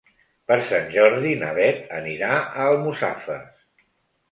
Per Sant Jordi na Beth anirà a Almussafes.